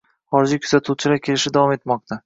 Xorijiy kuzatuvchilar kelishi davom etmoqda